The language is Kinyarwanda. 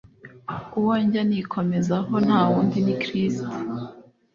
Uwo njya nikomezaho ntawundi ni kirisito